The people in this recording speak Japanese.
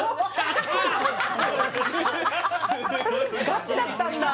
ガチだったんだ？